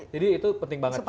jadi itu penting banget juga